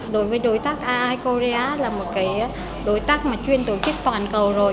đối với đối tác aecoread là một cái đối tác mà chuyên tổ chức toàn cầu rồi